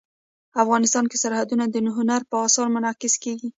افغانستان کې سرحدونه د هنر په اثار کې منعکس کېږي.